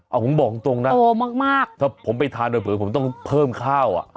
เอาผมบอกตรงนะถ้าผมไปทานด้วยเผื่อผมต้องเพิ่มข้าวอ่ะโตมาก